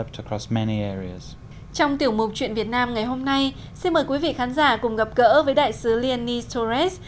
trong tỉa mục chuyện việt nam ngày hôm nay xin mời quý vị khán giả cùng gặp gỡ với đại sứ leonie torres